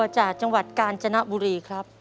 จังหวัดกาญจนบุรีครับ